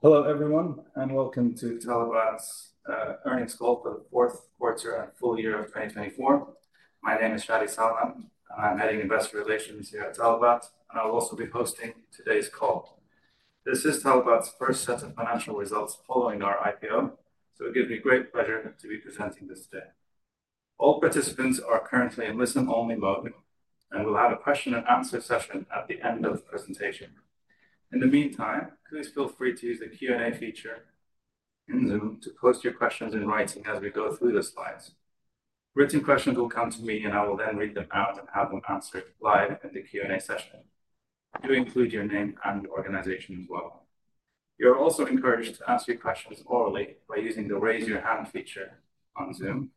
Hello everyone, and welcome to Talabat's Earnings Call for the Fourth Quarter and Full Year of 2024. My name is Shadi Salman, and I'm heading investor relations here at Talabat, and I'll also be hosting today's call. This is Talabat's first set of financial results following our IPO, so it gives me great pleasure to be presenting this today. All participants are currently in listen-only mode, and we'll have a question-and-answer session at the end of the presentation. In the meantime, please feel free to use the Q&A feature in Zoom to post your questions in writing as we go through the slides. Written questions will come to me, and I will then read them out and have them answered live in the Q&A session. Do include your name and your organization as well. You're also encouraged to ask your questions orally by using the raise your hand feature on Zoom,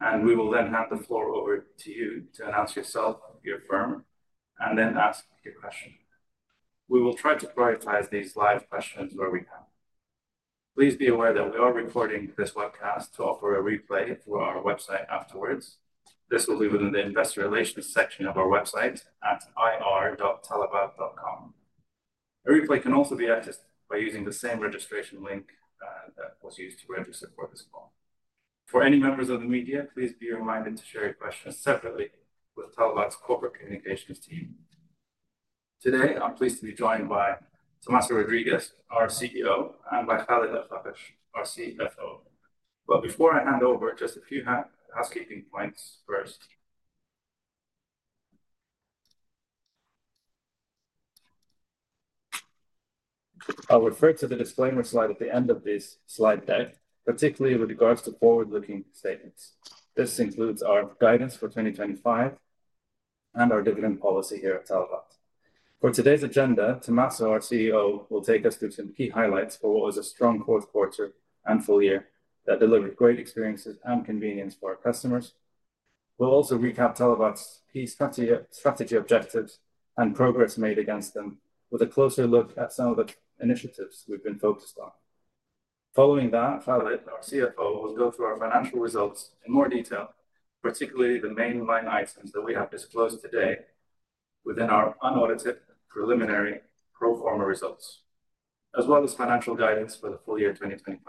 and we will then hand the floor over to you to announce yourself, your firm, and then ask your question. We will try to prioritize these live questions where we can. Please be aware that we are recording this webcast to offer a replay through our website afterwards. This will be within the investor relations section of our website at ir.talabat.com. A replay can also be accessed by using the same registration link that was used to register for this call. For any members of the media, please be reminded to share your questions separately with Talabat's corporate communications team. Today, I'm pleased to be joined by Tomaso Rodriguez, our CEO, and by Khaled Al Faqsh, our CFO. But before I hand over, just a few housekeeping points first. I'll refer to the disclaimer slide at the end of this slide deck, particularly with regards to forward-looking statements. This includes our guidance for 2025 and our dividend policy here at Talabat. For today's agenda, Tomaso, our CEO, will take us through some key highlights for what was a strong fourth quarter and full year that delivered great experiences and convenience for our customers. We'll also recap Talabat's key strategy objectives and progress made against them with a closer look at some of the initiatives we've been focused on. Following that, Khaled, our CFO, will go through our financial results in more detail, particularly the main line items that we have disclosed today within our unaudited preliminary pro forma results, as well as financial guidance for the full year 2025.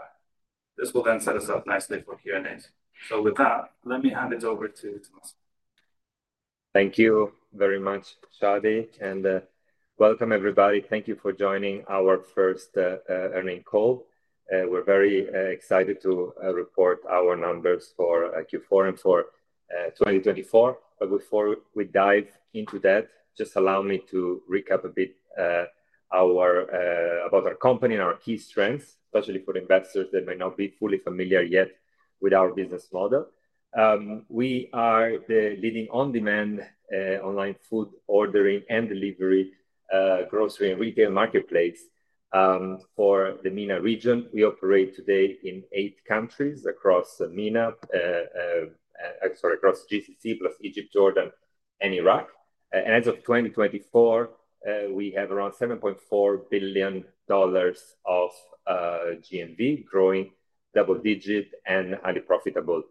This will then set us up nicely for Q&A. So with that, let me hand it over to Tomaso. Thank you very much, Shadi, and welcome everybody. Thank you for joining our first earnings call. We're very excited to report our numbers for Q4 and for 2024. But before we dive into that, just allow me to recap a bit about our company and our key strengths, especially for investors that may not be fully familiar yet with our business model. We are the leading on-demand online food ordering and delivery grocery and retail marketplace for the MENA region. We operate today in eight countries across MENA, sorry, across GCC plus Egypt, Jordan, and Iraq. And as of 2024, we have around $7.4 billion of GMV, growing double-digit and highly profitable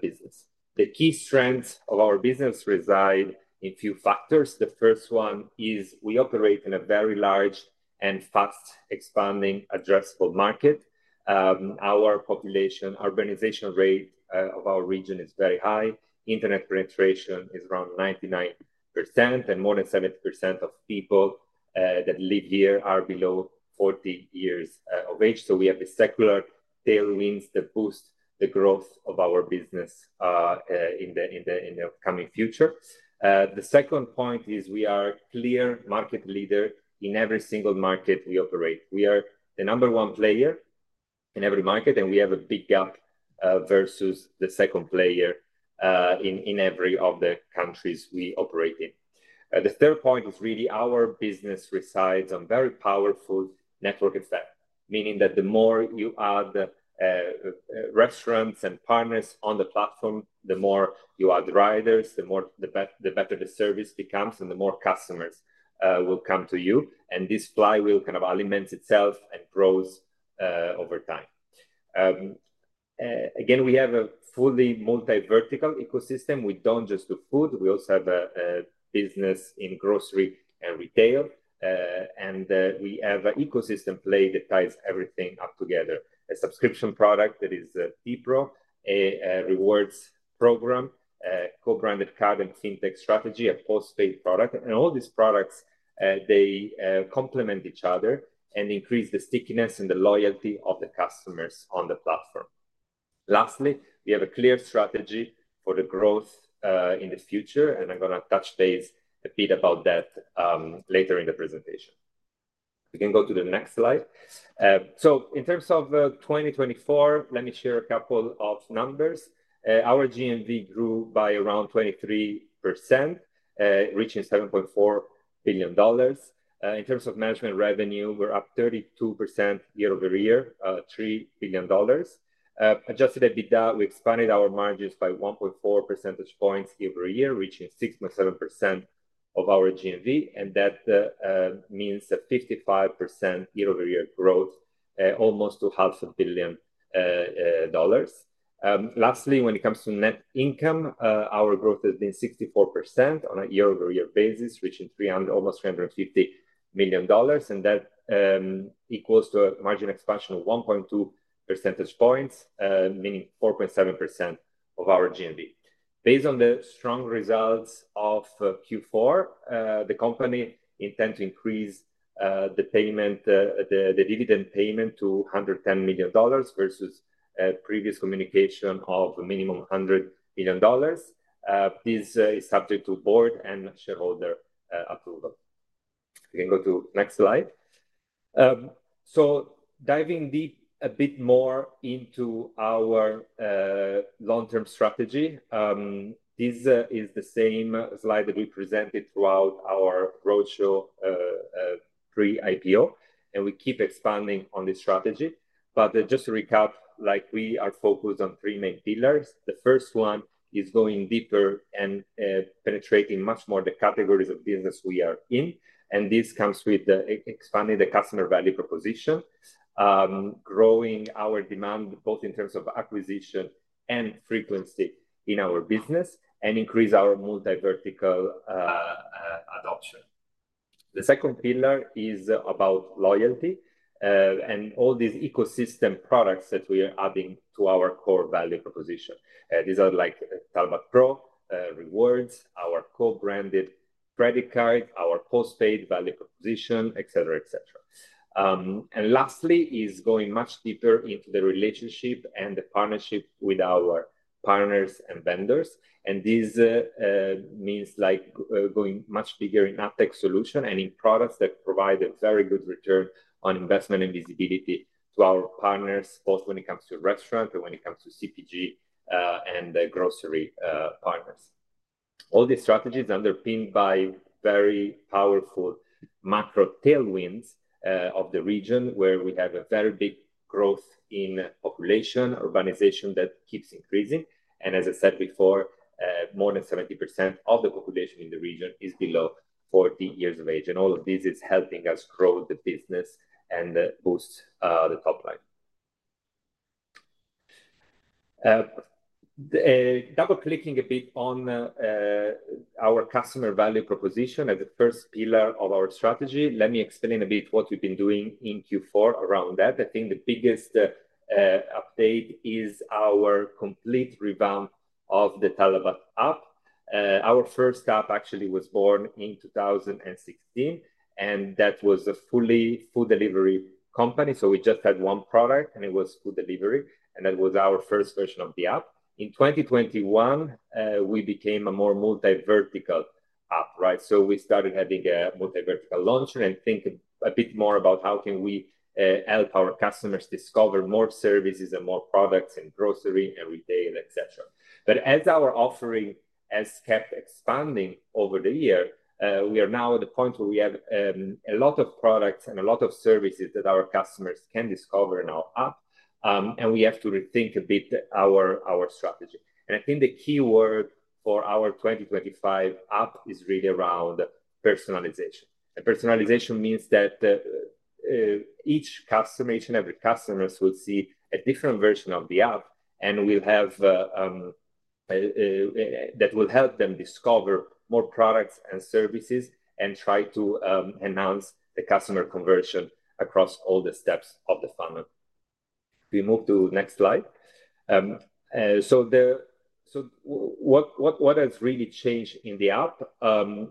business. The key strengths of our business reside in a few factors. The first one is we operate in a very large and fast-expanding addressable market. Our population urbanization rate of our region is very high. Internet penetration is around 99%, and more than 70% of people that live here are below 40 years of age. So we have the secular tailwinds that boost the growth of our business in the upcoming future. The second point is we are a clear market leader in every single market we operate. We are the number one player in every market, and we have a big gap versus the second player in every of the countries we operate in. The third point is really our business resides on very powerful network effect, meaning that the more you add restaurants and partners on the platform, the more you add riders, the better the service becomes, and the more customers will come to you. And this flywheel kind of aligns itself and grows over time. Again, we have a fully multi-vertical ecosystem. We don't just do food. We also have a business in grocery and retail, and we have an ecosystem play that ties everything up together. A subscription product that is a tPro, a rewards program, a co-branded card and fintech strategy, a post-paid product, and all these products, they complement each other and increase the stickiness and the loyalty of the customers on the platform. Lastly, we have a clear strategy for the growth in the future, and I'm going to touch base a bit about that later in the presentation. We can go to the next slide, so in terms of 2024, let me share a couple of numbers. Our GMV grew by around 23%, reaching $7.4 billion. In terms of Management Revenue, we're up 32% year- over-year, $3 billion. Adjusted EBITDA, we expanded our margins by 1.4 percentage points year-over-year, reaching 6.7% of our GMV, and that means a 55% year-over-year growth, almost $2.5 billion. Lastly, when it comes to net income, our growth has been 64% on a year-over-year basis, reaching almost $350 million, and that equals to a margin expansion of 1.2 percentage points, meaning 4.7% of our GMV. Based on the strong results of Q4, the company intends to increase the dividend payment to $110 million versus previous communication of a minimum of $100 million. This is subject to board and shareholder approval. We can go to the next slide. So diving deep a bit more into our long-term strategy, this is the same slide that we presented throughout our roadshow pre-IPO, and we keep expanding on this strategy. But just to recap, we are focused on three main pillars. The first one is going deeper and penetrating much more the categories of business we are in, and this comes with expanding the customer value proposition, growing our demand both in terms of acquisition and frequency in our business, and increasing our multi-vertical adoption. The second pillar is about loyalty and all these ecosystem products that we are adding to our core value proposition. These are like Talabat Pro rewards, our co-branded credit card, our post-paid value proposition, et cetera, et cetera. And lastly is going much deeper into the relationship and the partnership with our partners and vendors. And this means going much bigger in AdTech solution and in products that provide a very good return on investment and visibility to our partners, both when it comes to restaurants and when it comes to CPG and grocery partners. All these strategies are underpinned by very powerful macro tailwinds of the region, where we have a very big growth in population, urbanization that keeps increasing, and as I said before, more than 70% of the population in the region is below 40 years of age, and all of this is helping us grow the business and boost the top line. Double-clicking a bit on our customer value proposition as the first pillar of our strategy, let me explain a bit what we've been doing in Q4 around that. I think the biggest update is our complete revamp of the Talabat app. Our first app actually was born in 2016, and that was a fully food delivery company. So we just had one product, and it was food delivery, and that was our first version of the app. In 2021, we became a more multi-vertical app, right? So we started having a multi-vertical launcher and thinking a bit more about how can we help our customers discover more services and more products and grocery every day, et cetera. But as our offering has kept expanding over the year, we are now at the point where we have a lot of products and a lot of services that our customers can discover in our app, and we have to rethink a bit our strategy. And I think the key word for our 2025 app is really around personalization. And personalization means that each customer, each and every customer will see a different version of the app, and that will help them discover more products and services and try to enhance the customer conversion across all the steps of the funnel. We move to the next slide. What has really changed in the app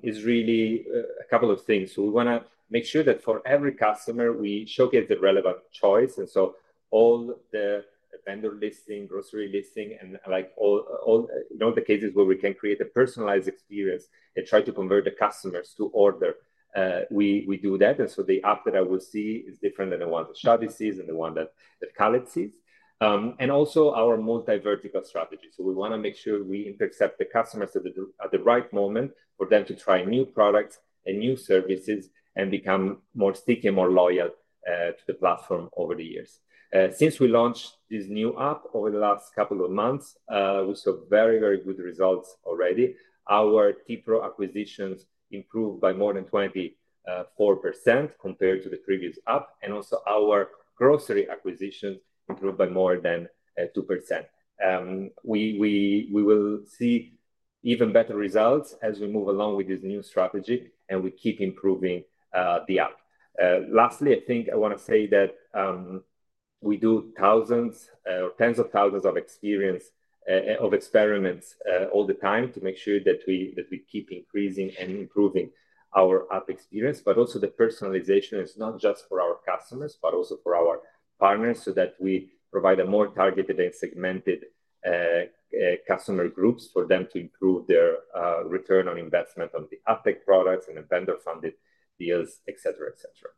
is really a couple of things. We want to make sure that for every customer, we showcase the relevant choice. And so all the vendor listing, grocery listing, and in all the cases where we can create a personalized experience and try to convert the customers to order, we do that. And so the app that I will see is different than the one that Shadi sees and the one that Khaled sees. And also our multi-vertical strategy. We want to make sure we intercept the customers at the right moment for them to try new products and new services and become more sticky and more loyal to the platform over the years. Since we launched this new app over the last couple of months, we saw very, very good results already. Our tPro acquisitions improved by more than 24% compared to the previous app, and also our grocery acquisitions improved by more than 2%. We will see even better results as we move along with this new strategy, and we keep improving the app. Lastly, I think I want to say that we do tens of thousands of experience of experiments all the time to make sure that we keep increasing and improving our app experience, but also the personalization is not just for our customers, but also for our partners so that we provide a more targeted and segmented customer groups for them to improve their return on investment on the AdTech products and the vendor-funded deals, et cetera, et cetera.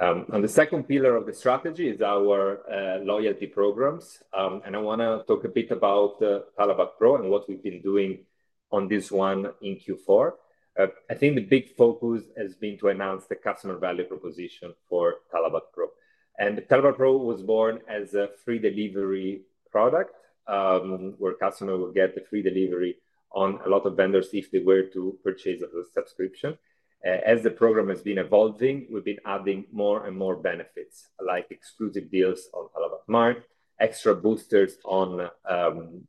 On the second pillar of the strategy is our loyalty programs, and I want to talk a bit about Talabat Pro and what we've been doing on this one in Q4. I think the big focus has been to announce the customer value proposition for Talabat Pro. And Talabat Pro was born as a free delivery product where customers will get the free delivery on a lot of vendors if they were to purchase a subscription. As the program has been evolving, we've been adding more and more benefits like exclusive deals on Talabat Mart, extra boosters on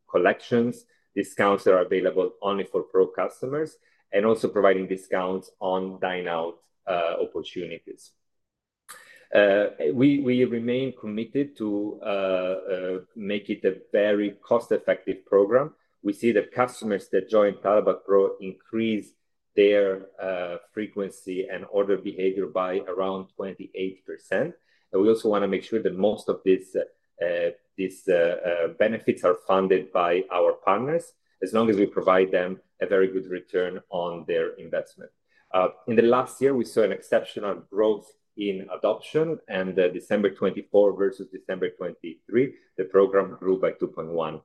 collections, discounts that are available only for Pro customers, and also providing discounts on dine-out opportunities. We remain committed to make it a very cost-effective program. We see that customers that join Talabat Pro increase their frequency and order behavior by around 28%. We also want to make sure that most of these benefits are funded by our partners as long as we provide them a very good return on their investment. In the last year, we saw an exceptional growth in adoption, and December 2024 versus December 2023, the program grew by 2.1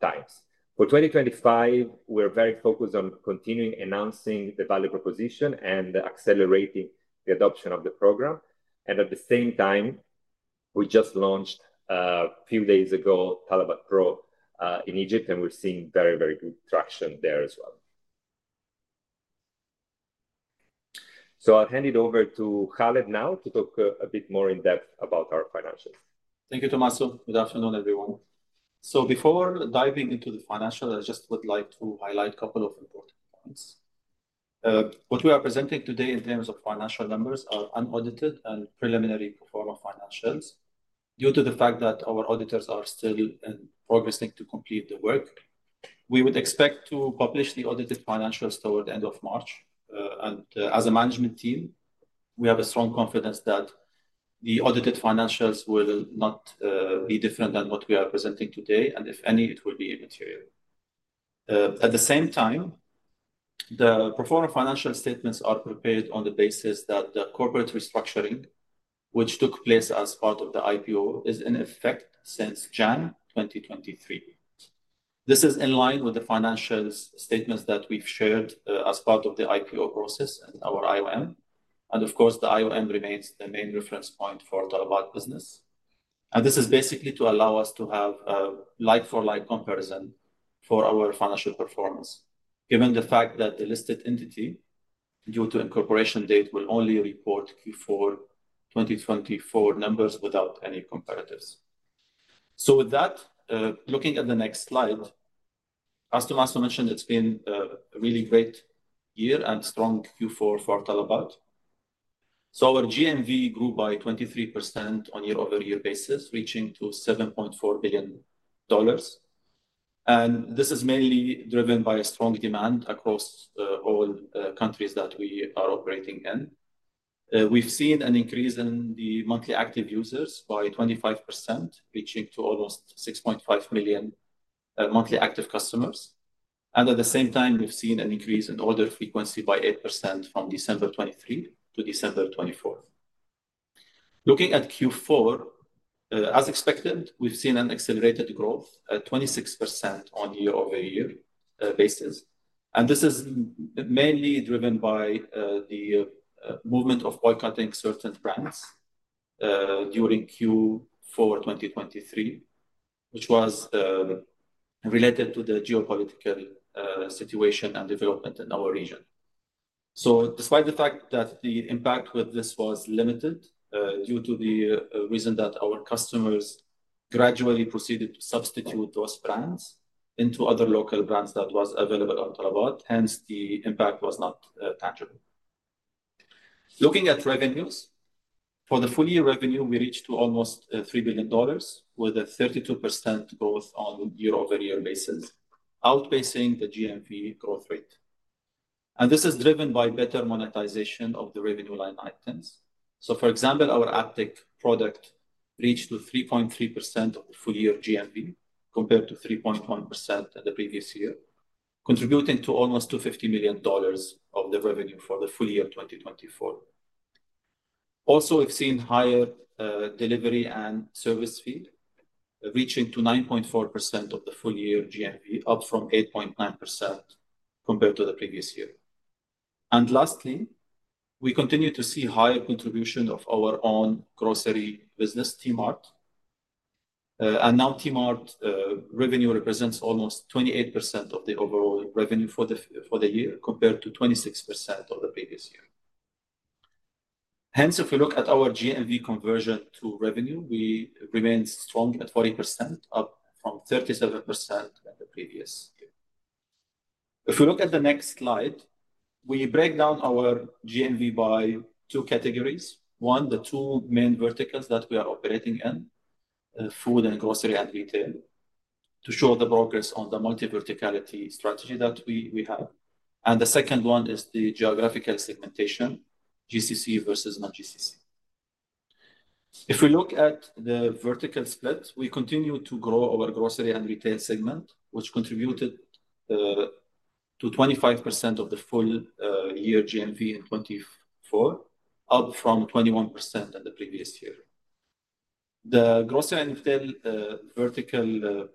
times. For 2025, we're very focused on continuing announcing the value proposition and accelerating the adoption of the program, and at the same time, we just launched a few days ago Talabat Pro in Egypt, and we're seeing very, very good traction there as well, so I'll hand it over to Khaled now to talk a bit more in depth about our financials. Thank you, Tomaso. Good afternoon, everyone. So before diving into the financials, I just would like to highlight a couple of important points. What we are presenting today in terms of financial numbers are unaudited and preliminary pro forma financials. Due to the fact that our auditors are still progressing to complete the work, we would expect to publish the audited financials toward the end of March, and as a management team, we have a strong confidence that the audited financials will not be different than what we are presenting today, and if any, it will be immaterial. At the same time, the pro forma financial statements are prepared on the basis that the corporate restructuring, which took place as part of the IPO, is in effect since January 2023. This is in line with the financial statements that we've shared as part of the IPO process and our IOM. And of course, the IOM remains the main reference point for Talabat business. And this is basically to allow us to have a like-for-like comparison for our financial performance, given the fact that the listed entity, due to incorporation date, will only report Q4 2024 numbers without any comparatives. So with that, looking at the next slide, as Tomaso mentioned, it's been a really great year and strong Q4 for Talabat. So our GMV grew by 23% on a year-over-year basis, reaching $7.4 billion. And this is mainly driven by strong demand across all countries that we are operating in. We've seen an increase in the monthly active users by 25%, reaching almost 6.5 million monthly active customers. And at the same time, we've seen an increase in order frequency by 8% from December 2023 to December 2024. Looking at Q4, as expected, we've seen an accelerated growth at 26% on a year-over-year basis. And this is mainly driven by the movement of boycotting certain brands during Q4 2023, which was related to the geopolitical situation and development in our region. So despite the fact that the impact with this was limited due to the reason that our customers gradually proceeded to substitute those brands into other local brands that were available on Talabat, hence the impact was not tangible. Looking at revenues, for the full year revenue, we reached almost $3 billion with a 32% growth on a year-over-year basis, outpacing the GMV growth rate. And this is driven by better monetization of the revenue line items. So for example, our AdTech product reached 3.3% of the full year GMV compared to 3.1% in the previous year, contributing to almost $250 million of the revenue for the full year 2024. Also, we've seen higher delivery and service fee, reaching to 9.4% of the full year GMV, up from 8.9% compared to the previous year. And lastly, we continue to see higher contribution of our own grocery business, tMart. And now tMart revenue represents almost 28% of the overall revenue for the year compared to 26% of the previous year. Hence, if we look at our GMV conversion to revenue, we remain strong at 40%, up from 37% in the previous year. If we look at the next slide, we break down our GMV by two categories. One, the two main verticals that we are operating in, food and grocery and retail, to show the progress on the multi-verticality strategy that we have. And the second one is the geographical segmentation, GCC versus non-GCC. If we look at the vertical split, we continue to grow our grocery and retail segment, which contributed to 25% of the full year GMV in 2024, up from 21% in the previous year. The grocery and retail vertical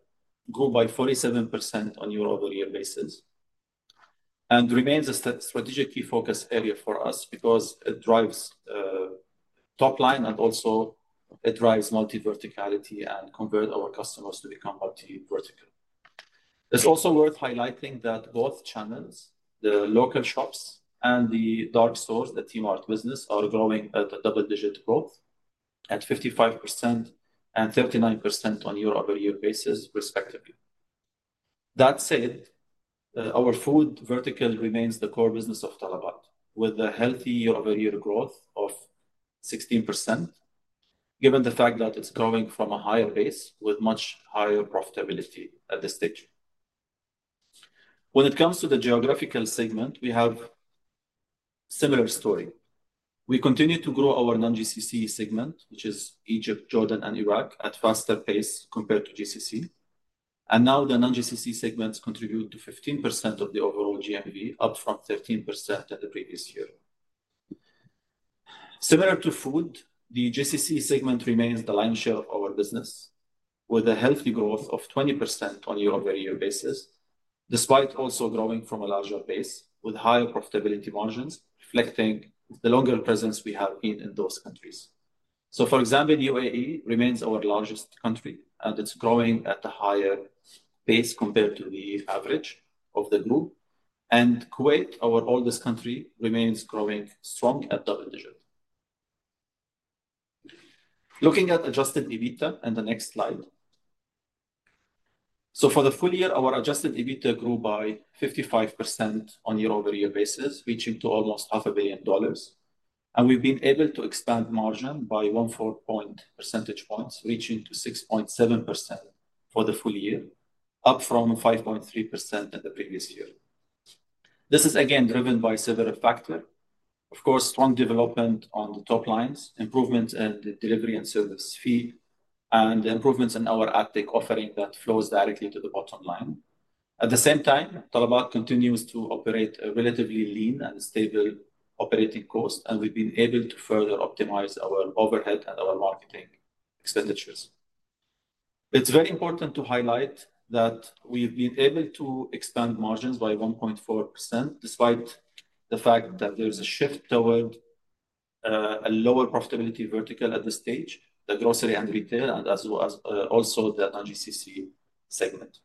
grew by 47% on a year-over-year basis and remains a strategic key focus area for us because it drives top line, and also it drives multi-verticality and converts our customers to become multi-vertical. It's also worth highlighting that both channels, the local shops and the dark stores, the tMart business, are growing at a double-digit growth at 55% and 39% on a year-over-year basis, respectively. That said, our food vertical remains the core business of Talabat, with a healthy year-over-year growth of 16%, given the fact that it's growing from a higher base with much higher profitability at this stage. When it comes to the geographic segment, we have a similar story. We continue to grow our non-GCC segment, which is Egypt, Jordan, and Iraq, at a faster pace compared to GCC. And now the non-GCC segments contribute to 15% of the overall GMV, up from 13% in the previous year. Similar to food, the GCC segment remains the lion's share of our business, with a healthy growth of 20% on a year-over-year basis, despite also growing from a larger base with higher profitability margins, reflecting the longer presence we have been in those countries. For example, the UAE remains our largest country, and it's growing at a higher pace compared to the average of the group. Kuwait, our oldest country, remains growing strong at double digits. Looking at Adjusted EBITDA in the next slide. For the full year, our Adjusted EBITDA grew by 55% on a year-over-year basis, reaching to almost $500 million. We've been able to expand margin by 14 percentage points, reaching to 6.7% for the full year, up from 5.3% in the previous year. This is again driven by several factors. Of course, strong development on the top lines, improvements in the delivery and service fee, and improvements in our Ad tech offering that flows directly to the bottom line. At the same time, Talabat continues to operate a relatively lean and stable operating cost, and we've been able to further optimize our overhead and our marketing expenditures. It's very important to highlight that we've been able to expand margins by 1.4% despite the fact that there's a shift toward a lower profitability vertical at this stage, the grocery and retail, and also the non-GCC segment.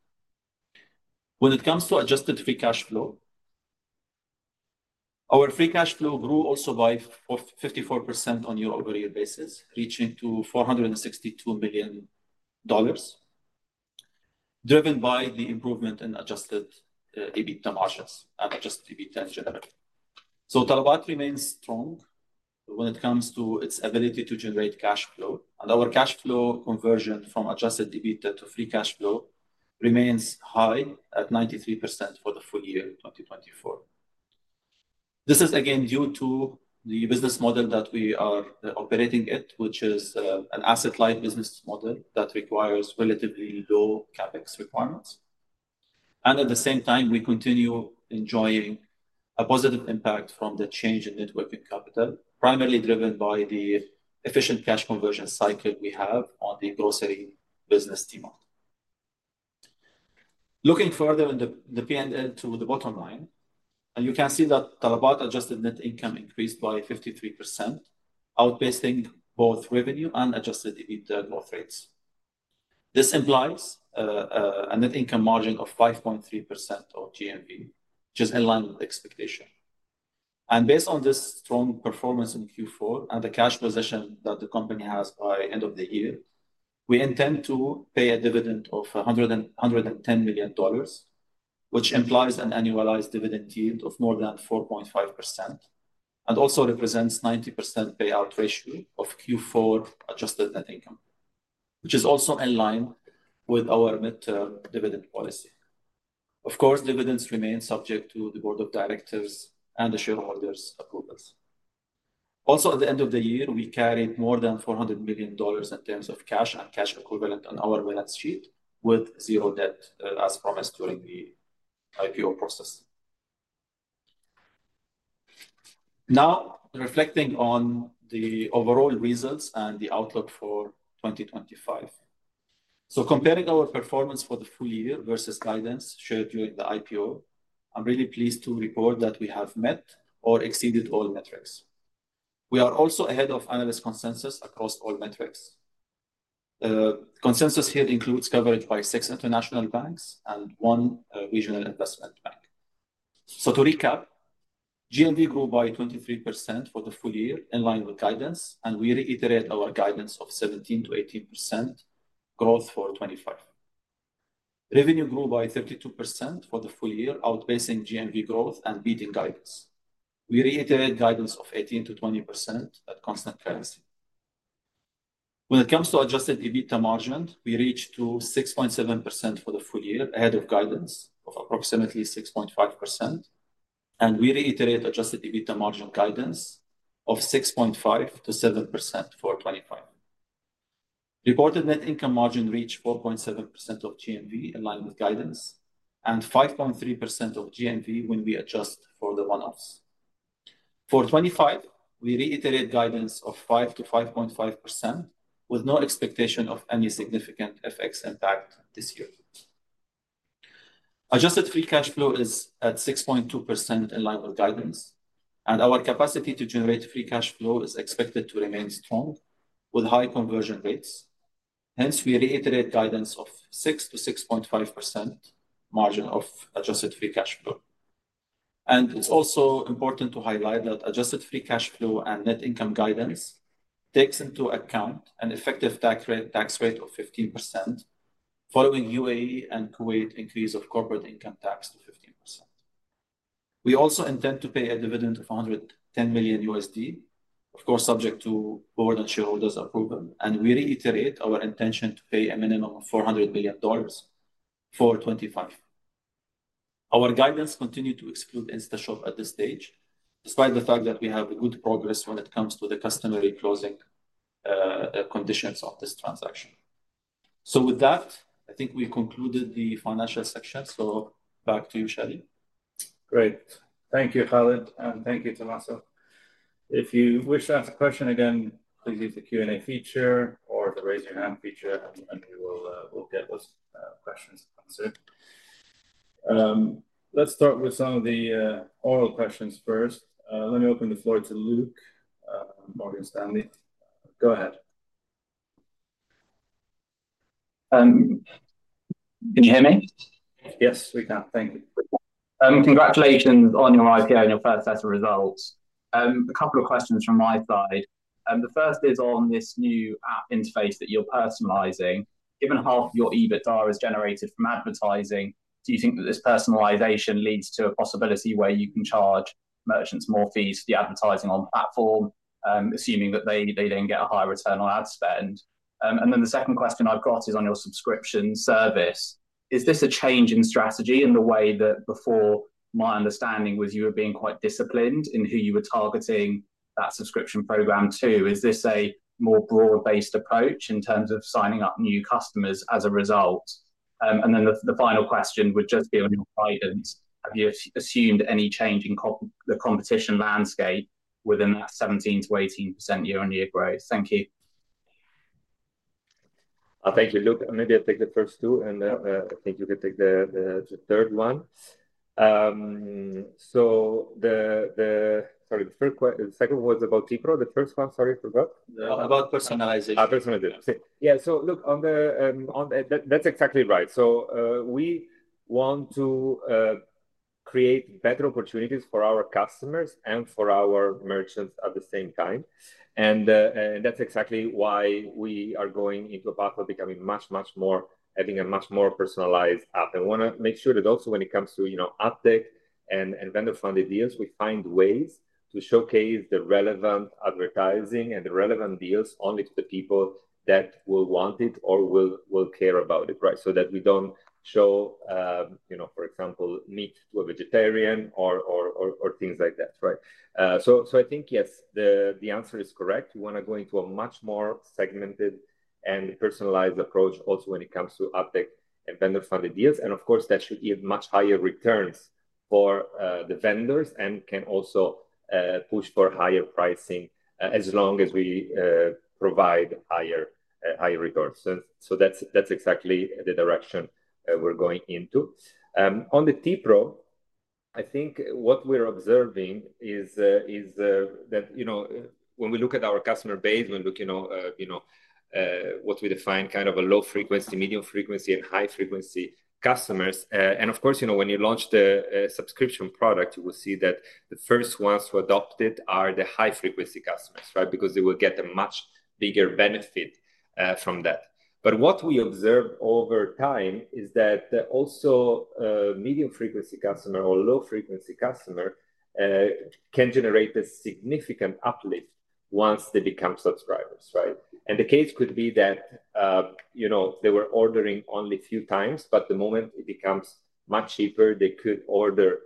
When it comes to adjusted free cash flow, our free cash flow grew also by 54% on a year-over-year basis, reaching to $462 million, driven by the improvement in adjusted EBITDA margins and adjusted EBITDA in general. So Talabat remains strong when it comes to its ability to generate cash flow, and our cash flow conversion from adjusted EBITDA to free cash flow remains high at 93% for the full year 2024. This is again due to the business model that we are operating in, which is an asset-light business model that requires relatively low CapEx requirements, and at the same time, we continue enjoying a positive impact from the change in working capital, primarily driven by the efficient cash conversion cycle we have on the grocery business tMart. Looking further in the P&L to the bottom line, you can see that Talabat adjusted net income increased by 53%, outpacing both revenue and adjusted EBITDA growth rates. This implies a net income margin of 5.3% of GMV, which is in line with expectation. And based on this strong performance in Q4 and the cash position that the company has by the end of the year, we intend to pay a dividend of $110 million, which implies an annualized dividend yield of more than 4.5% and also represents a 90% payout ratio of Q4 adjusted net income, which is also in line with our mid-term dividend policy. Of course, dividends remain subject to the board of directors and the shareholders' approvals. Also, at the end of the year, we carried more than $400 million in terms of cash and cash equivalents on our balance sheet with zero debt, as promised during the IPO process. Now, reflecting on the overall results and the outlook for 2025. So comparing our performance for the full year versus guidance shared during the IPO, I'm really pleased to report that we have met or exceeded all metrics. We are also ahead of analyst consensus across all metrics. Consensus here includes coverage by six international banks and one regional investment bank, so to recap, GMV grew by 23% for the full year in line with guidance, and we reiterate our guidance of 17%-18% growth for 2025. Revenue grew by 32% for the full year, outpacing GMV growth and beating guidance. We reiterate guidance of 18%-20% at constant currency. When it comes to adjusted EBITDA margin, we reached 6.7% for the full year ahead of guidance of approximately 6.5%, and we reiterate adjusted EBITDA margin guidance of 6.5%-7% for 2025. Reported net income margin reached 4.7% of GMV in line with guidance and 5.3% of GMV when we adjust for the one-offs. For 2025, we reiterate guidance of 5%-5.5% with no expectation of any significant FX impact this year. Adjusted free cash flow is at 6.2% in line with guidance, and our capacity to generate free cash flow is expected to remain strong with high conversion rates. Hence, we reiterate guidance of 6%-6.5% margin of adjusted free cash flow. And it's also important to highlight that adjusted free cash flow and net income guidance takes into account an effective tax rate of 15%, following UAE and Kuwait's increase of corporate income tax to 15%. We also intend to pay a dividend of $110 million, of course, subject to board and shareholders' approval. And we reiterate our intention to pay a minimum of $400 million for 2025. Our guidance continues to exclude InstaShop at this stage, despite the fact that we have good progress when it comes to the customary closing conditions of this transaction. So with that, I think we concluded the financial section. So back to you, Shadi. Great. Thank you, Khaled, and thank you, Tomaso. If you wish to ask a question again, please use the Q&A feature or the raise your hand feature, and we will get those questions answered. Let's start with some of the oral questions first. Let me open the floor to Luke Morgan Stanley. Go ahead. Can you hear me? Yes, we can. Thank you. Congratulations on your IPO and your first set of results. A couple of questions from my side. The first is on this new app interface that you're personalizing. Given half of your EBITDA is generated from advertising, do you think that this personalization leads to a possibility where you can charge merchants more fees for the advertising on the platform, assuming that they then get a higher return on ad spend? And then the second question I've got is on your subscription service. Is this a change in strategy in the way that before my understanding was you were being quite disciplined in who you were targeting that subscription program to? Is this a more broad-based approach in terms of signing up new customers as a result? And then the final question would just be on your guidance. Have you assumed any change in the competition landscape within that 17%-18% year-on-year growth? Thank you. Thank you, Luke. Maybe I'll take the first two, and I think you can take the third one. So, sorry, the second one was about tPro. The first one, sorry, I forgot. About personalization. Personalization. Yeah. So look, on the, that's exactly right. So we want to create better opportunities for our customers and for our merchants at the same time. And that's exactly why we are going into a path of becoming much, much more, having a much more personalized app. And we want to make sure that also when it comes to AdTech and vendor-funded deals, we find ways to showcase the relevant advertising and the relevant deals only to the people that will want it or will care about it, right? So that we don't show, for example, meat to a vegetarian or things like that, right? So I think, yes, the answer is correct. We want to go into a much more segmented and personalized approach also when it comes to AdTech and vendor-funded deals. And of course, that should yield much higher returns for the vendors and can also push for higher pricing as long as we provide higher returns. So that's exactly the direction we're going into. On the tPro, I think what we're observing is that when we look at our customer base, we look at what we define kind of a low-frequency, medium-frequency, and high-frequency customers. And of course, when you launch the subscription product, you will see that the first ones to adopt it are the high-frequency customers, right? Because they will get a much bigger benefit from that. But what we observe over time is that also medium-frequency customers or low-frequency customers can generate a significant uplift once they become subscribers, right? And the case could be that they were ordering only a few times, but the moment it becomes much cheaper, they could order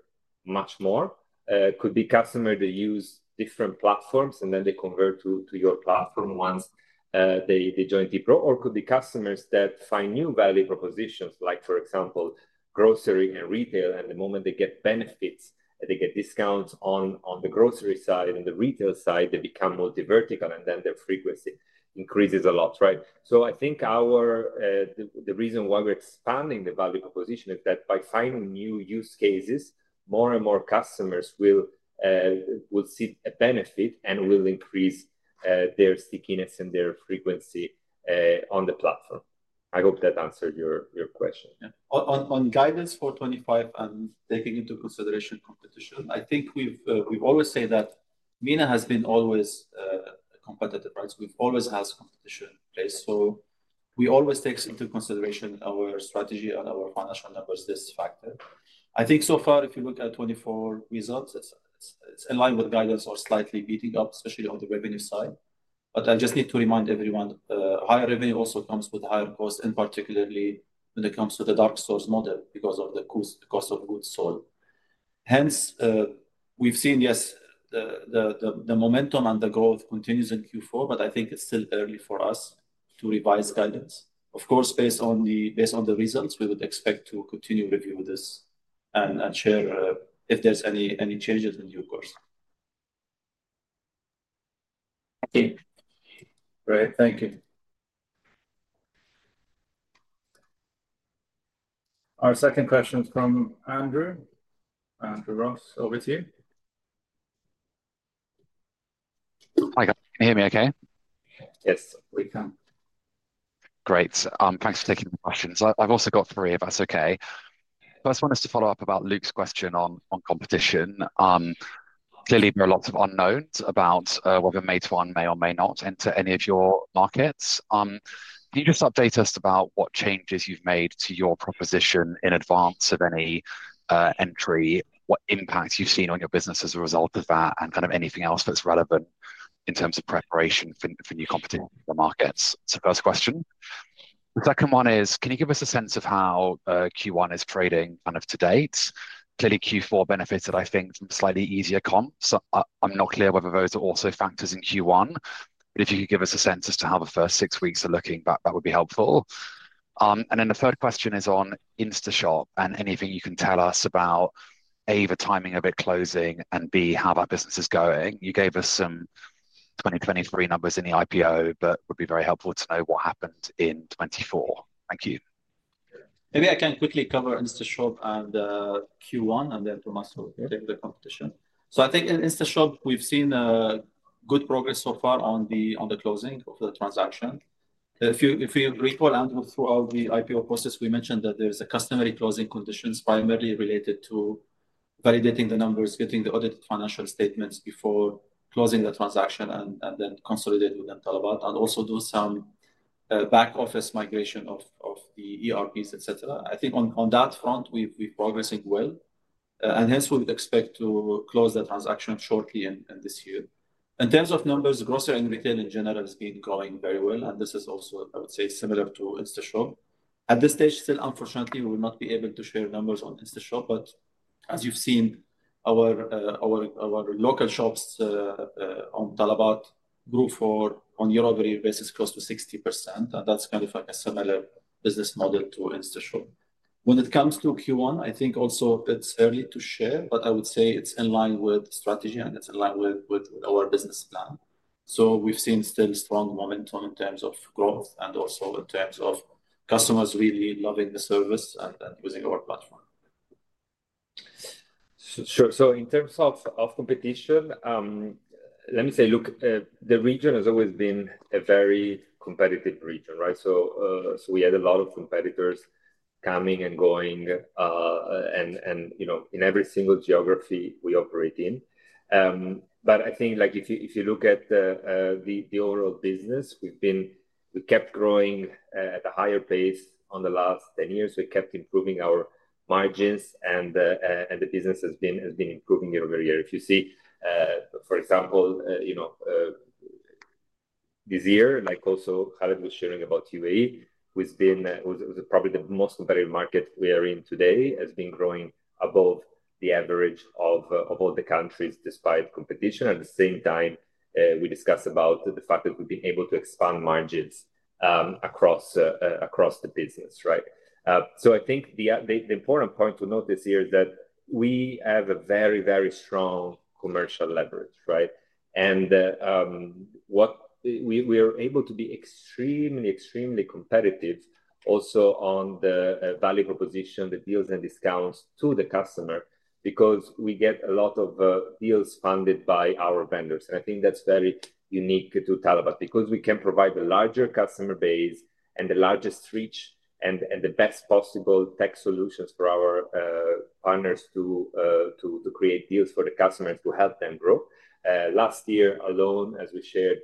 much more. It could be customers that use different platforms and then they convert to your platform once they join tPro. Or it could be customers that find new value propositions, like for example, grocery and retail. And the moment they get benefits, they get discounts on the grocery side. On the retail side, they become multi-vertical, and then their frequency increases a lot, right? So I think the reason why we're expanding the value proposition is that by finding new use cases, more and more customers will see a benefit and will increase their stickiness and their frequency on the platform. I hope that answered your question. On guidance for 2025 and taking into consideration competition, I think we've always said that MENA has been always competitive, right? We've always had competition in place. So we always take into consideration our strategy and our financial numbers, this factor. I think so far, if you look at 2024 results, it's in line with guidance or slightly beating up, especially on the revenue side. But I just need to remind everyone, higher revenue also comes with higher costs, and particularly when it comes to the dark stores model because of the cost of goods sold. Hence, we've seen, yes, the momentum and the growth continues in Q4, but I think it's still early for us to revise guidance. Of course, based on the results, we would expect to continue reviewing this and share if there's any changes in due course. Thank you. Great. Thank you. Our second question is from Andrew. Tomaso Rodriguez. Andrew, over to you. Hi, guys. Can you hear me okay? Yes, we can. Great. Thanks for taking the questions. I've also got three if that's okay. First one is to follow up about Luke's question on competition. Clearly, there are lots of unknowns about whether Meituan may or may not enter any of your markets. Can you just update us about what changes you've made to your proposition in advance of any entry, what impact you've seen on your business as a result of that, and kind of anything else that's relevant in terms of preparation for new competition in the markets? So first question. The second one is, can you give us a sense of how Q1 is trading kind of to date? Clearly, Q4 benefited, I think, from slightly easier comps. I'm not clear whether those are also factors in Q1. But if you could give us a sense as to how the first six weeks are looking, that would be helpful. And then the third question is on InstaShop and anything you can tell us about, A, the timing of it closing, and B, how that business is going. You gave us some 2023 numbers in the IPO, but it would be very helpful to know what happened in 2024. Thank you. Maybe I can quickly cover InstaShop and Q1 and then Tomaso Rodriguez the competition. I think in InstaShop, we have seen good progress so far on the closing of the transaction. If we recall, Andrew, throughout the IPO process, we mentioned that there is a customary closing condition primarily related to validating the numbers, getting the audited financial statements before closing the transaction, and then consolidating within Talabat and also doing some back-office migration of the ERPs, etc. I think on that front, we are progressing well. Hence, we would expect to close the transaction shortly in this year. In terms of numbers, grocery and retail in general has been growing very well. This is also, I would say, similar to InstaShop. At this stage, still, unfortunately, we will not be able to share numbers on InstaShop. As you've seen, our local shops on Talabat grew on a year-over-year basis close to 60%. That's kind of like a similar business model to InstaShop. When it comes to Q1, I think also it's early to share, but I would say it's in line with strategy and it's in line with our business plan. We've seen still strong momentum in terms of growth and also in terms of customers really loving the service and using our platform. Sure. So in terms of competition, let me say, Luke, the region has always been a very competitive region, right? So we had a lot of competitors coming and going in every single geography we operate in. But I think if you look at the overall business, we've kept growing at a higher pace in the last 10 years. We kept improving our margins, and the business has been improving year-over-year. If you see, for example, this year, like also Khaled was sharing about UAE, was probably the most competitive market we are in today, has been growing above the average of all the countries despite competition. At the same time, we discussed about the fact that we've been able to expand margins across the business, right? So I think the important point to note this year is that we have a very, very strong commercial leverage, right? We are able to be extremely, extremely competitive also on the value proposition, the deals and discounts to the customer because we get a lot of deals funded by our vendors. And I think that's very unique to Talabat because we can provide the larger customer base and the largest reach and the best possible tech solutions for our partners to create deals for the customers to help them grow. Last year alone, as we shared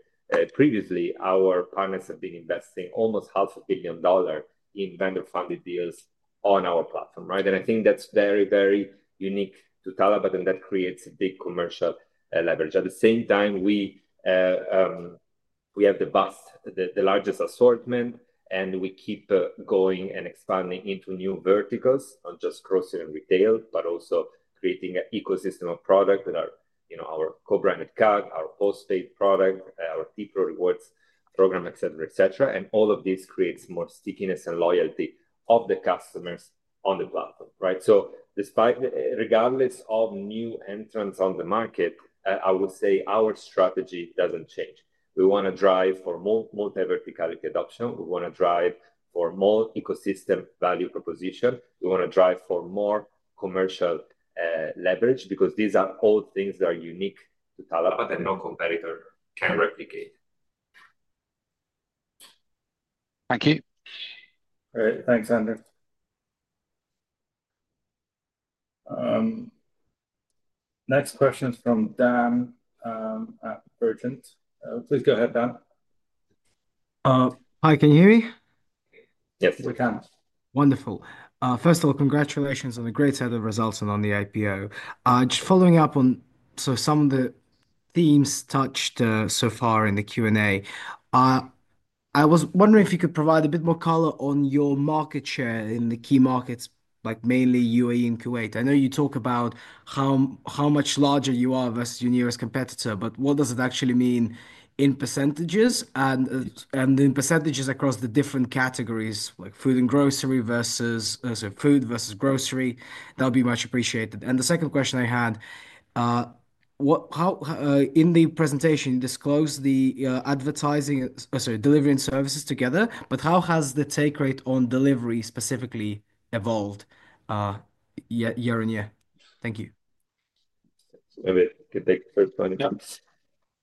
previously, our partners have been investing almost $500 million in vendor-funded deals on our platform, right? And I think that's very, very unique to Talabat, and that creates a big commercial leverage. At the same time, we have the largest assortment, and we keep going and expanding into new verticals, not just grocery and retail, but also creating an ecosystem of products with our co-branded card, our post-paid product, our tPro rewards program, etc., etc. And all of this creates more stickiness and loyalty of the customers on the platform, right? So regardless of new entrants on the market, I would say our strategy doesn't change. We want to drive for multi-vertical adoption. We want to drive for more ecosystem value proposition. We want to drive for more commercial leverage because these are all things that are unique to Talabat that no competitor can replicate. Thank you. Great. Thanks, Andrew. Next question is from Dan at Virgin. Please go ahead, Dan. Hi, can you hear me? Yes, we can. Wonderful. First of all, congratulations on the great set of results and on the IPO. Just following up on some of the themes touched so far in the Q&A, I was wondering if you could provide a bit more color on your market share in the key markets, like mainly UAE and Kuwait. I know you talk about how much larger you are versus your nearest competitor, but what does it actually mean in percentages? And in percentages across the different categories, like food and grocery versus food versus grocery, that would be much appreciated. And the second question I had, in the presentation, you disclosed the advertising or sorry, delivery services together, but how has the take rate on delivery specifically evolved year-on-year? Thank you. David, could you take the first point,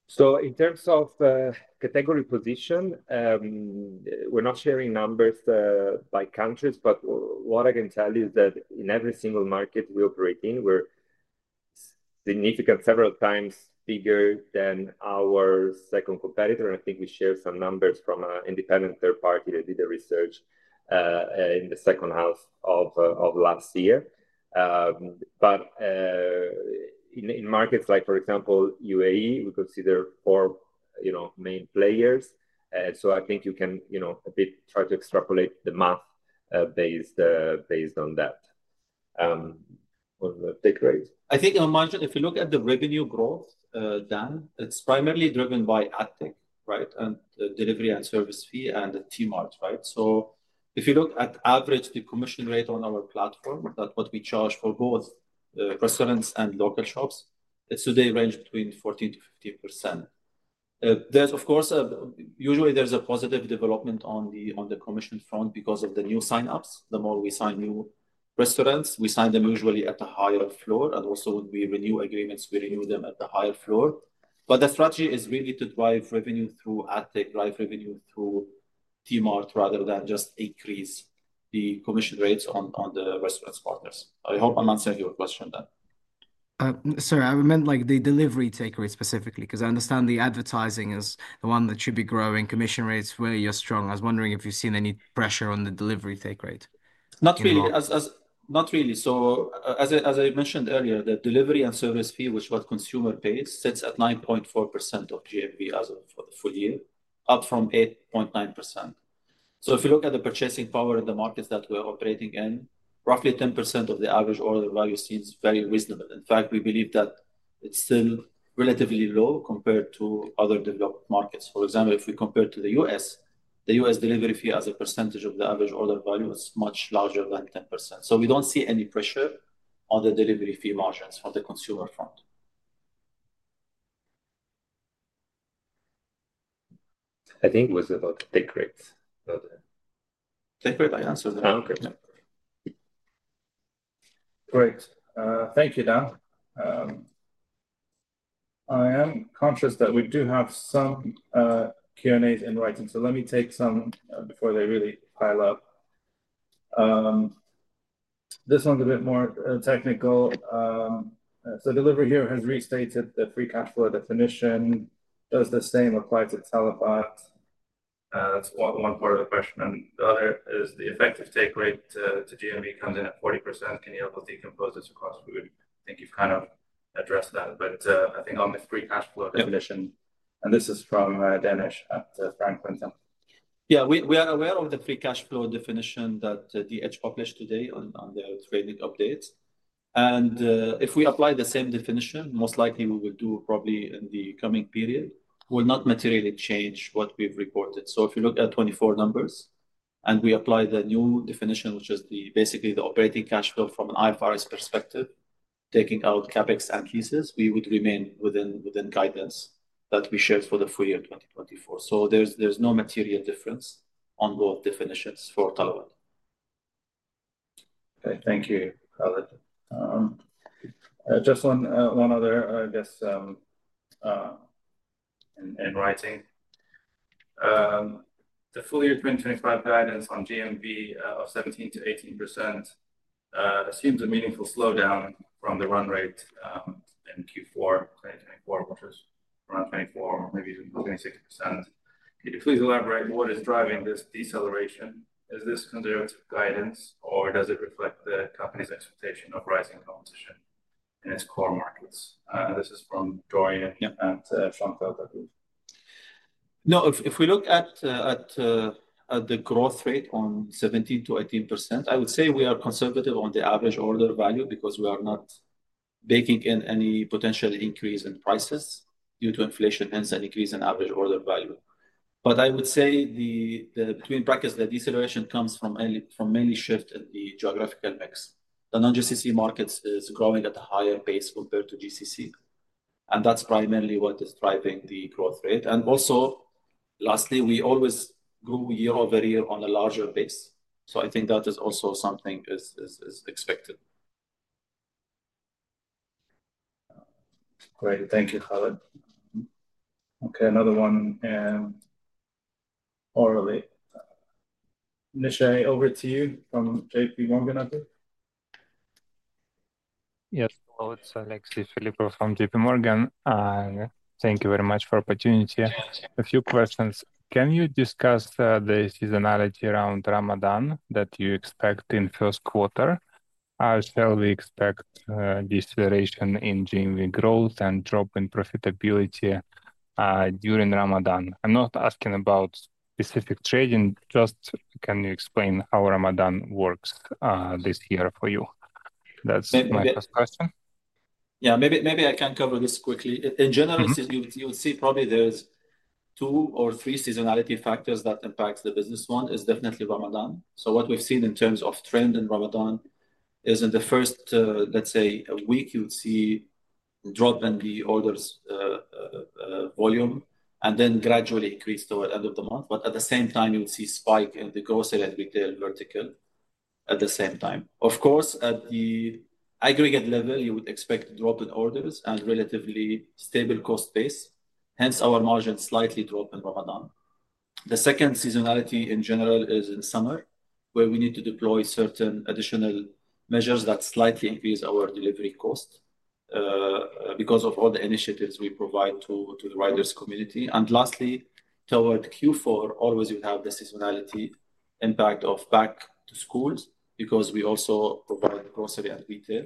so in terms of category position, we're not sharing numbers by countries, but what I can tell you is that in every single market we operate in, we're significantly several times bigger than our second competitor, and I think we shared some numbers from an independent third party that did the research in the second half of last year, but in markets like, for example, UAE, we consider four main players, so I think you can a bit try to extrapolate the math based on that. On the take rate. I think if you look at the revenue growth, Dan, it's primarily driven by AdTech, right, and delivery and service fee and the tMart, right, so if you look at average commission rate on our platform, that's what we charge for both restaurants and local shops, it's today ranged between 14%-15%. There's, of course, usually a positive development on the commission front because of the new sign-ups. The more we sign new restaurants, we sign them usually at a higher floor. And also when we renew agreements, we renew them at the higher floor, but the strategy is really to drive revenue through AdTech, drive revenue through tMart rather than just increase the commission rates on the restaurant partners. I hope I'm answering your question then. Sorry, I meant the delivery take rate specifically because I understand the advertising is the one that should be growing commission rates where you're strong. I was wondering if you've seen any pressure on the delivery take rate. Not really. Not really. So as I mentioned earlier, the delivery and service fee, which what consumer pays, sits at 9.4% of GMV as of for the full year, up from 8.9%. So if you look at the purchasing power in the markets that we're operating in, roughly 10% of the average order value seems very reasonable. In fact, we believe that it's still relatively low compared to other developed markets. For example, if we compare to the US, the US delivery fee as a percentage of the average order value is much larger than 10%. So we don't see any pressure on the delivery fee margins for the consumer front. I think it was about the take rate. Take rate, I answered that. Okay. Great. Thank you, Dan. I am conscious that we do have some Q&As in writing. So let me take some before they really pile up. This one's a bit more technical. So Delivery Hero has restated the free cash flow definition. Does the same apply to Talabat? That's one part of the question. And the other is the effective take rate to GMV comes in at 40%. Can you help us decompose this across? I think you've kind of addressed that. But I think on the free cash flow definition, and this is from Danish at Franklin Templeton. Yeah, we are aware of the free cash flow definition that DH published today on the trading updates. And if we apply the same definition, most likely we will do probably in the coming period, will not materially change what we've reported. So if you look at 2024 numbers and we apply the new definition, which is basically the operating cash flow from an IFRS perspective, taking out CapEx and leases, we would remain within guidance that we shared for the full year 2024. So there's no material difference on both definitions for Talabat. Okay. Thank you, Khaled. Just one other, I guess, in writing. The full year 2025 guidance on GMV of 17%-18% assumes a meaningful slowdown from the run rate in Q4 2024, which is around 24% or maybe even 26%. Could you please elaborate what is driving this deceleration? Is this conservative guidance, or does it reflect the company's expectation of rising competition in its core markets? This is from Dorian at Schonfeld. No, if we look at the growth rate on 17%-18%, I would say we are conservative on the average order value because we are not baking in any potential increase in prices due to inflation, hence an increase in average order value. But I would say between brackets, the deceleration comes from mainly shift in the geographical mix. The non-GCC markets is growing at a higher pace compared to GCC. And that's primarily what is driving the growth rate. And also, lastly, we always grew year-over-year on a larger base. So I think that is also something is expected. Great. Thank you, Khaled. Okay. Another one orally. Nishay, over to you from J.P. Morgan, I think. Yes. Hello. It's Alexis Philippou from J.P. Morgan. Thank you very much for the opportunity. A few questions. Can you discuss the seasonality around Ramadan that you expect in first quarter? How shall we expect deceleration in GMV growth and drop in profitability during Ramadan? I'm not asking about specific trading. Just can you explain how Ramadan works this year for you? That's my first question. Yeah, maybe I can cover this quickly. In general, you'll see probably there's two or three seasonality factors that impact the business. One is definitely Ramadan. So what we've seen in terms of trend in Ramadan is in the first, let's say, week, you would see a drop in the orders volume and then gradually increase toward the end of the month. But at the same time, you would see a spike in the grocery and retail vertical at the same time. Of course, at the aggregate level, you would expect a drop in orders and relatively stable cost base. Hence, our margin slightly dropped in Ramadan. The second seasonality in general is in summer, where we need to deploy certain additional measures that slightly increase our delivery cost because of all the initiatives we provide to the riders' community. Lastly, toward Q4, always you have the seasonality impact of back to schools because we also provide grocery and retail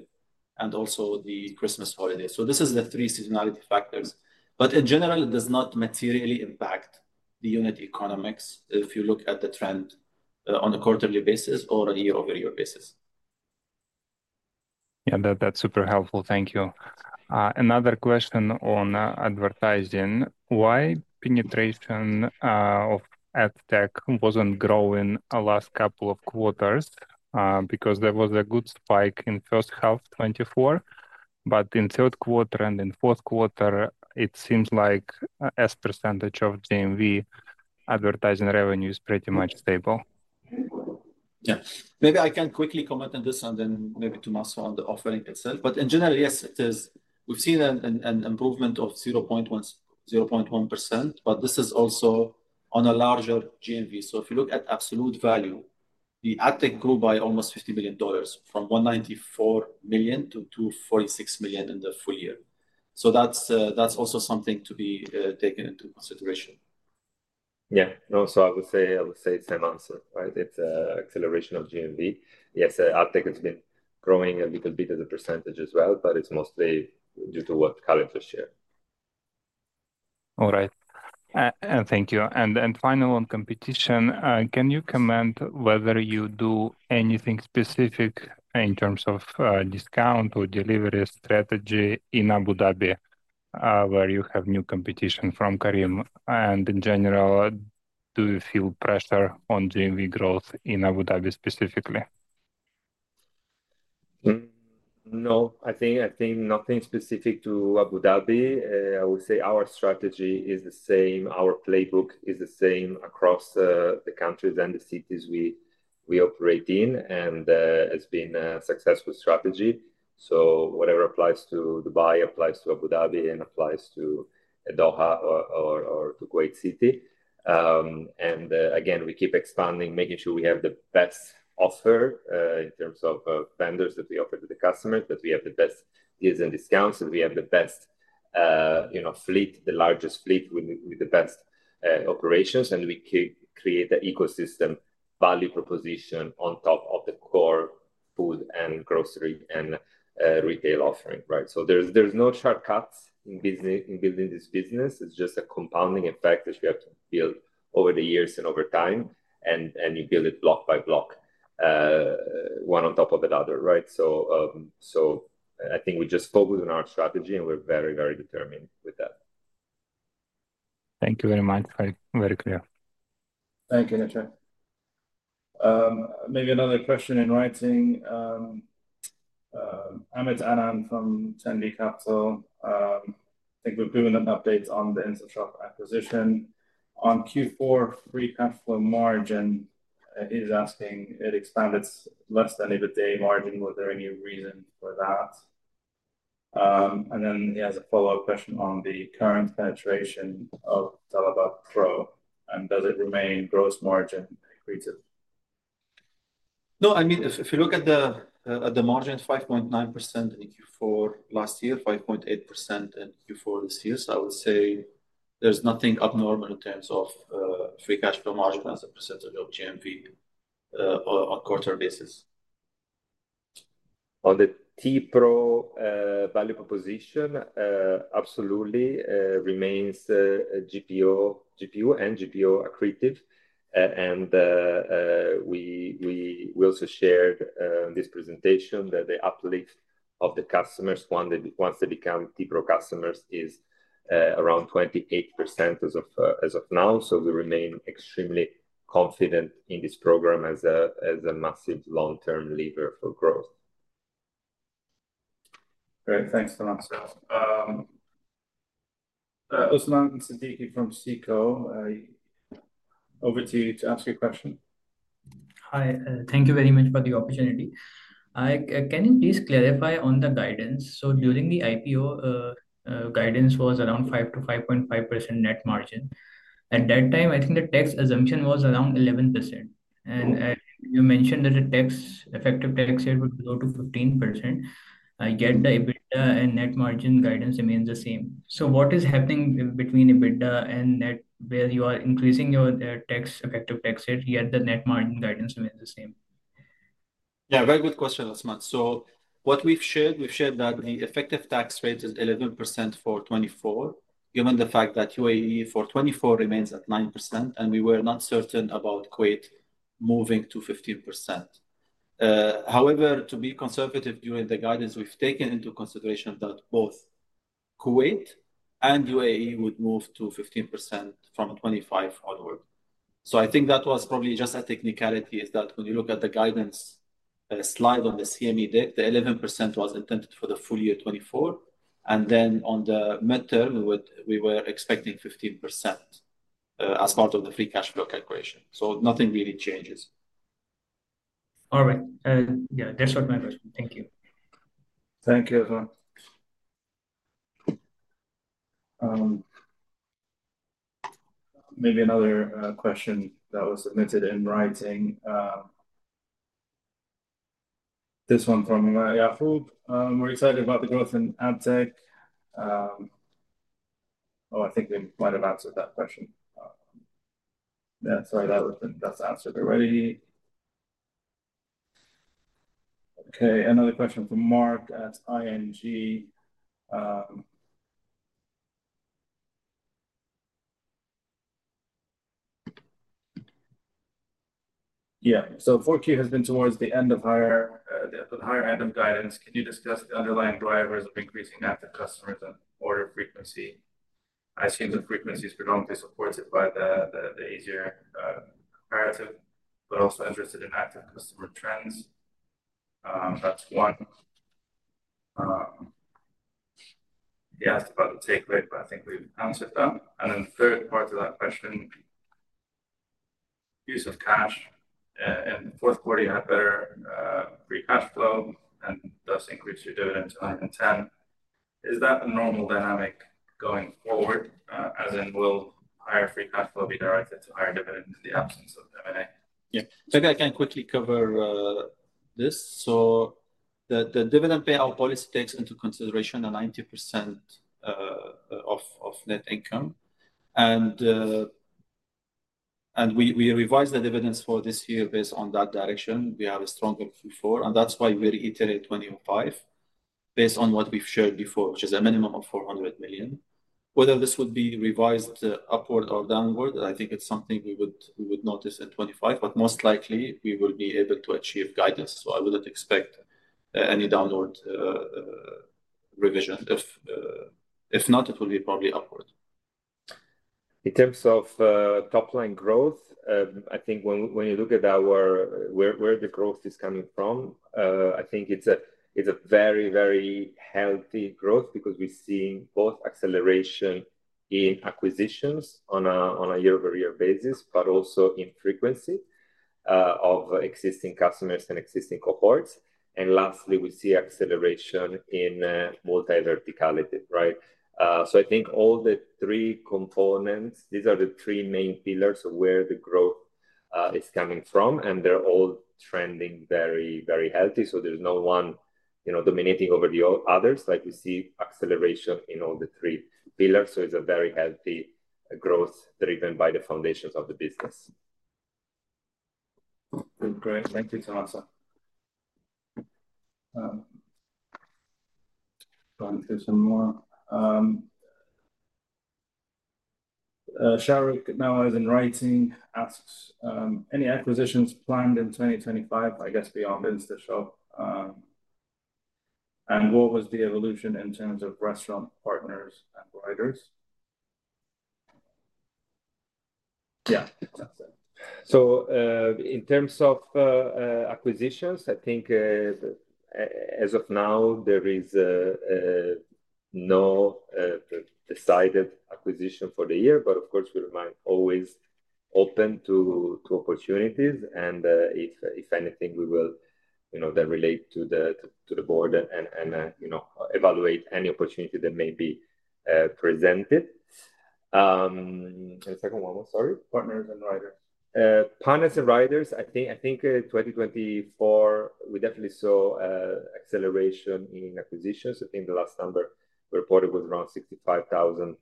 and also the Christmas holiday. This is the three seasonality factors. In general, it does not materially impact the unit economics if you look at the trend on a quarterly basis or a year-over-year basis. Yeah, that's super helpful. Thank you. Another question on advertising. Why penetration of Ad tech wasn't growing the last couple of quarters? Because there was a good spike in first half 2024, but in third quarter and in fourth quarter, it seems like its percentage of GMV advertising revenue is pretty much stable. Yeah. Maybe I can quickly comment on this and then maybe to Tomaso on the offering itself. But in general, yes, we've seen an improvement of 0.1%, but this is also on a larger GMV. So if you look at absolute value, the AdTech grew by almost $50 million from $194 million to $246 million in the full year. So that's also something to be taken into consideration. Yeah. No, so I would say the same answer, right? It's an acceleration of GMV. Yes, AdTech has been growing a little bit as a percentage as well, but it's mostly due to what Khaled just shared. All right. And thank you. And final on competition, can you comment whether you do anything specific in terms of discount or delivery strategy in Abu Dhabi where you have new competition from Careem? And in general, do you feel pressure on GMV growth in Abu Dhabi specifically? No, I think nothing specific to Abu Dhabi. I would say our strategy is the same. Our playbook is the same across the countries and the cities we operate in, and it's been a successful strategy. So whatever applies to Dubai applies to Abu Dhabi and applies to Doha or to Kuwait City. And again, we keep expanding, making sure we have the best offer in terms of vendors that we offer to the customers, that we have the best deals and discounts, and we have the best fleet, the largest fleet with the best operations, and we create an ecosystem value proposition on top of the core food and grocery and retail offering, right? So there's no shortcuts in building this business. It's just a compounding effect that you have to build over the years and over time, and you build it block by block, one on top of another, right? So I think we just focus on our strategy, and we're very, very determined with that. Thank you very much. Very clear. Thank you, Shadi. Maybe another question in writing. Ahmed Anan from CI Capital. I think we've given an update on the InstaShop acquisition. On Q4 free cash flow margin, he's asking why it expanded less than the EBITDA margin. Was there any reason for that? And then he has a follow-up question on the current penetration of Talabat Pro. And does it drive gross margin increases? No, I mean, if you look at the margins, 5.9% in Q4 last year, 5.8% in Q4 this year, so I would say there's nothing abnormal in terms of free cash flow margin as a percentage of GMV on quarter basis. On the tPro value proposition, absolutely remains GPU and GPO accretive. And we also shared in this presentation that the uplift of the customers once they become tPro customers is around 28% as of now. So we remain extremely confident in this program as a massive long-term lever for growth. Great. Thanks, Tomas. Usman Siddiqui from SICO. Over to you to ask your question. Hi. Thank you very much for the opportunity. Can you please clarify on the guidance? So during the IPO, guidance was around 5%-5.5% net margin. At that time, I think the tax assumption was around 11%. And you mentioned that the effective tax rate would go to 15%. Yet the EBITDA and net margin guidance remains the same. So what is happening between EBITDA and net where you are increasing your tax effective tax rate, yet the net margin guidance remains the same? Yeah, very good question, Uthman. So what we've shared, we've shared that the effective tax rate is 11% for 2024, given the fact that UAE for 2024 remains at 9%, and we were not certain about Kuwait moving to 15%. However, to be conservative during the guidance, we've taken into consideration that both Kuwait and UAE would move to 15% from 2025 onward. So I think that was probably just a technicality, is that when you look at the guidance slide on the CMD deck, the 11% was intended for the full year 2024. And then on the midterm, we were expecting 15% as part of the free cash flow calculation. So nothing really changes. All right. Yeah, that's what my question. Thank you. Thank you, Uthman. Maybe another question that was submitted in writing. This one from Yacoub. We're excited about the growth in AdTech. Oh, I think we might have answered that question. Yeah, sorry, that wasn't answered already. Okay. Another question from Marc at ING. Yeah. So 4Q has been towards the higher end of guidance. Can you discuss the underlying drivers of increasing active customers and order frequency? I assume the frequency is predominantly supported by the easier comparative, but also interested in active customer trends. That's one. He asked about the take rate, but I think we've answered that. And then the third part of that question, use of cash. And the fourth quarter, you had better free cash flow and thus increased your dividends to 110. Is that a normal dynamic going forward? As in, will higher free cash flow be directed to higher dividends in the absence of M&A? Yeah. So I can quickly cover this. So the dividend payout policy takes into consideration a 90% of net income. And we revised the dividends for this year based on that direction. We have a stronger Q4, and that's why we're iterating 2025 based on what we've shared before, which is a minimum of $400 million. Whether this would be revised upward or downward, I think it's something we would notice in 2025, but most likely we will be able to achieve guidance. So I wouldn't expect any downward revision. If not, it will be probably upward. In terms of top-line growth, I think when you look at where the growth is coming from, I think it's a very, very healthy growth because we're seeing both acceleration in acquisitions on a year-over-year basis, but also in frequency of existing customers and existing cohorts, and lastly, we see acceleration in multi-verticality, right? I think all the three components, these are the three main pillars of where the growth is coming from, and they're all trending very, very healthy. There's no one dominating over the others. Like we see acceleration in all the three pillars. It's a very healthy growth driven by the foundations of the business. Great. Thank you, Tomaso. Got to do some more. Shariq now is in writing, asks, any acquisitions planned in 2025, I guess, beyond InstaShop? And what was the evolution in terms of restaurant partners and riders? Yeah. So in terms of acquisitions, I think as of now, there is no decided acquisition for the year, but of course, we remain always open to opportunities. And if anything, we will then relate to the board and evaluate any opportunity that may be presented. And the second one, sorry? Partners and riders. Partners and riders. I think 2024, we definitely saw acceleration in acquisitions. I think the last number reported was around 65,000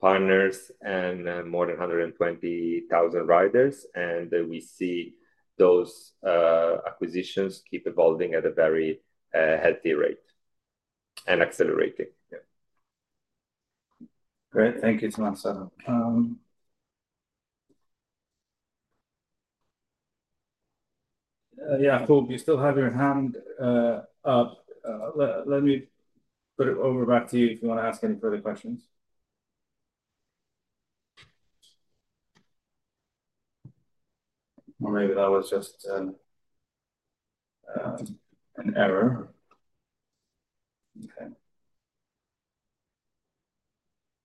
partners and more than 120,000 riders, and we see those acquisitions keep evolving at a very healthy rate and accelerating. Great. Thank you, Tomaso. Yeah, Uthman, you still have your hand up. Let me put it over back to you if you want to ask any further questions. Or maybe that was just an error.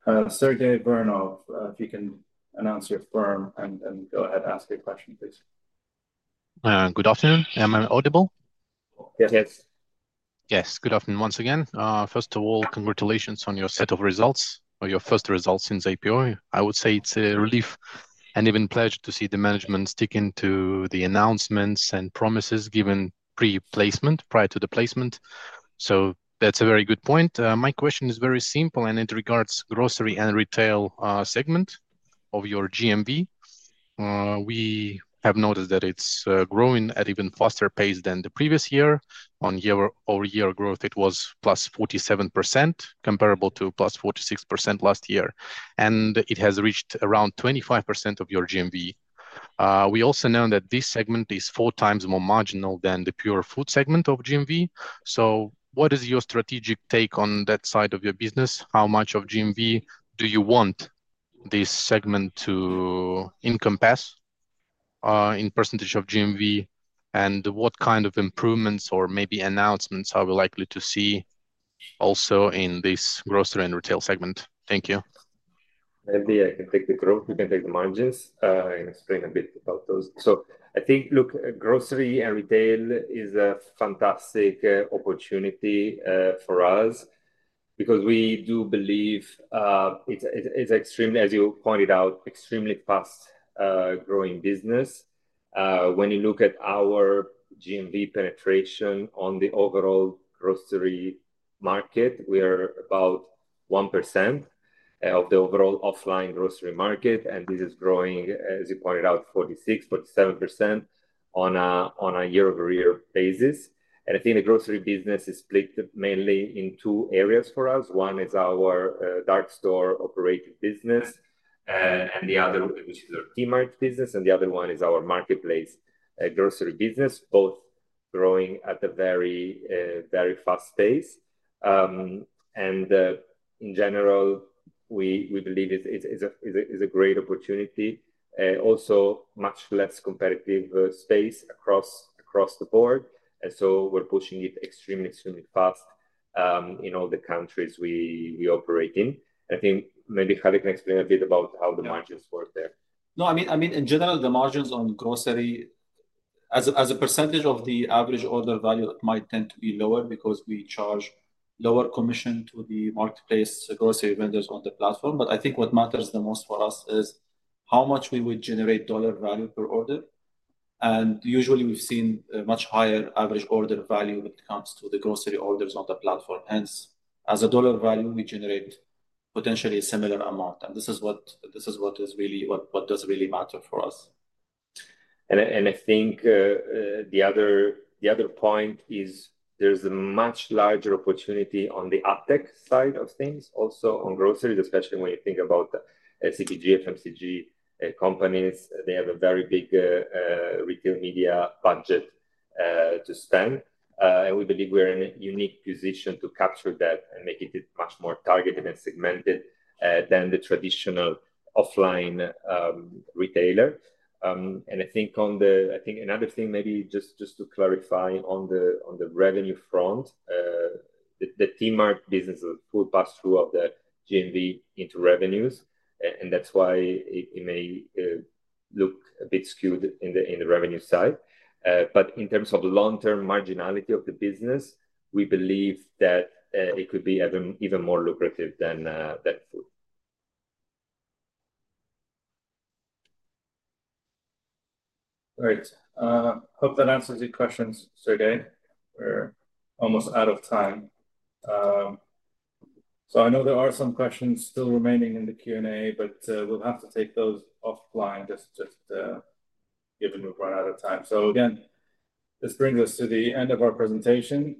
Okay. Sergey Vernov, if you can announce your firm and then go ahead and ask your question, please. Good afternoon. Am I audible? Yes. Yes. Good afternoon once again. First of all, congratulations on your set of results or your first results since IPO. I would say it's a relief and even pleasure to see the management sticking to the announcements and promises given pre-placement prior to the placement. So that's a very good point. My question is very simple, and it regards the grocery and retail segment of your GMV. We have noticed that it's growing at an even faster pace than the previous year. On year-over-year growth, it was plus 47%, comparable to plus 46% last year. And it has reached around 25% of your GMV. We also know that this segment is four times more marginal than the pure food segment of GMV. So what is your strategic take on that side of your business? How much of GMV do you want this segment to encompass in percentage of GMV? And what kind of improvements or maybe announcements are we likely to see also in this grocery and retail segment? Thank you. Maybe I can take the growth. You can take the margins. I can explain a bit about those, so I think, look, grocery and retail is a fantastic opportunity for us because we do believe it's an extremely, as you pointed out, extremely fast-growing business. When you look at our GMV penetration on the overall grocery market, we are about 1% of the overall offline grocery market, and this is growing, as you pointed out, 46%, 47% on a year-over-year basis, and I think the grocery business is split mainly in two areas for us. One is our dark store operating business, and the other, which is our tMart business, and the other one is our marketplace grocery business, both growing at a very, very fast pace, and in general, we believe it's a great opportunity. Also, much less competitive space across the board. We're pushing it extremely, extremely fast in all the countries we operate in. I think maybe Khaled can explain a bit about how the margins work there. No, I mean, in general, the margins on grocery, as a percentage of the average order value, might tend to be lower because we charge lower commission to the marketplace grocery vendors on the platform. But I think what matters the most for us is how much we would generate dollar value per order. And usually, we've seen a much higher average order value when it comes to the grocery orders on the platform. Hence, as a dollar value, we generate potentially a similar amount. And this is what does really matter for us. I think the other point is there's a much larger opportunity on the AdTech side of things, also on groceries, especially when you think about CPG, FMCG companies. They have a very big retail media budget to spend. And we believe we're in a unique position to capture that and make it much more targeted and segmented than the traditional offline retailer. I think on the, I think another thing, maybe just to clarify on the revenue front, the tMart business will pass-through of the GMV into revenues. And that's why it may look a bit skewed in the revenue side. But in terms of long-term marginality of the business, we believe that it could be even more lucrative than food. Great. Hope that answers your questions, Sergey. We're almost out of time. So I know there are some questions still remaining in the Q&A, but we'll have to take those offline just given we've run out of time. So again, this brings us to the end of our presentation.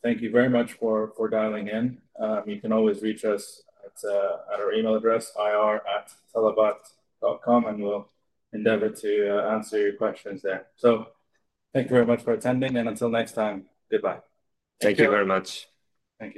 Thank you very much for dialing in. You can always reach us at our email address, ir@talabat.com, and we'll endeavor to answer your questions there. So thank you very much for attending, and until next time, goodbye. Thank you very much. Thank you.